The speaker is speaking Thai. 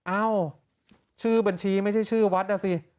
เอ้าชื่อบัญชีไม่ใช่ชื่อวัดนะสิ